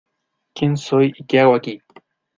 Quién soy y qué hago aquí...